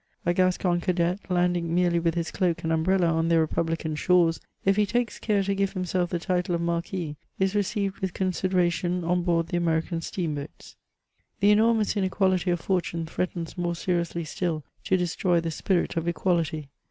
A Gascon cadet landing merely with his cloak and umbrella on their republican shores, if he takes care to give himself the title of marguis, is received with con sideration on board the American steamboats. The enormous inequality of fortune threatens more seriously still to destroy the spirit of equality.